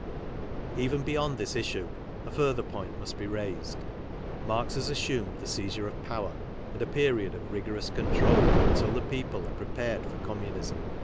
Even beyond this issue, a further point must be raised. Marx has assumed the seizure of power, and a period of rigorous control until the people are prepared for com munism.